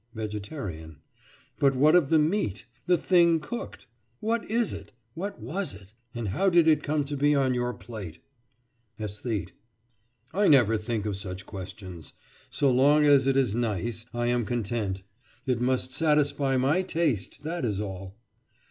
VEGETARIAN: But what of the meat—the thing cooked? What is it? What was it? And how did it come to be on your plate? ÆSTHETE: I never think of such questions. So long as it is nice, I am content. It must satisfy my taste, that is all.